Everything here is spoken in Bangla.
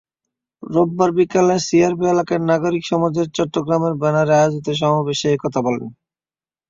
রোববার বিকেলে সিআরবি এলাকায় নাগরিক সমাজ চট্টগ্রামের ব্যানারে আয়োজিত মহাসমাবেশে এ কথা বলেন।